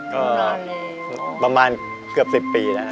ก็ประมาณเกือบ๑๐ปีนะครับ